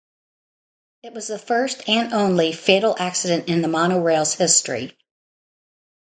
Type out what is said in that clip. It was the first, and only, fatal accident in the monorail's history.